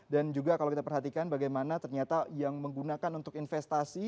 dan juga kalau kita perhatikan bagaimana ternyata yang menggunakan untuk investasi